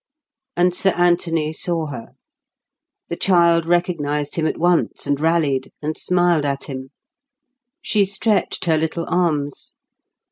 And Sir Anthony saw her. The child recognised him at once and rallied, and smiled at him. She stretched her little arms.